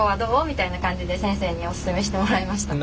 みたいな感じで先生におすすめしてもらいました。